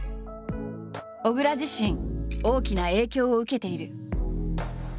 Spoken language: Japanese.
小倉自身大きな影響を受けている。